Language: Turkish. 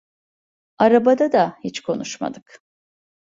Arabada da hiç konuşmadık.